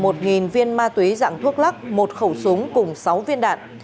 công an thu giữ gần một viên máy dạng thuốc lắc một khẩu súng cùng sáu viên đạn